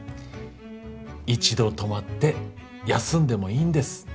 一度止まって休んでもいいんです。